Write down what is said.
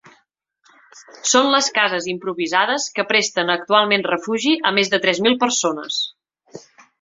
Són les cases improvisades que presten actualment refugi a més de tres mil persones.